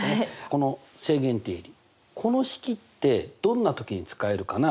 この正弦定理この式ってどんな時に使えるかな？